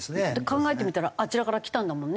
考えてみたらあちらから来たんだもんね